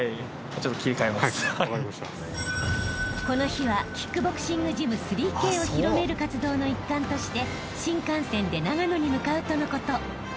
［この日はキックボクシングジム３Ｋを広める活動の一環として新幹線で長野に向かうとのこと］